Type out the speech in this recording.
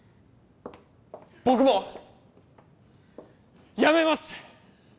僕も辞めます！